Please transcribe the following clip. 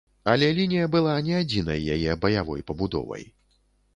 Але лінія была не адзінай яе баявой пабудовай.